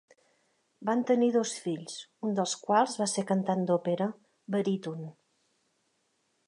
Van tenir dos fills, un dels quals va ser cantant d'òpera baríton.